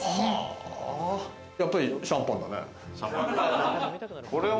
やっぱりシャンパンだね。